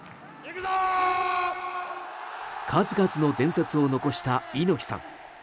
数々の伝説を残した猪木さん。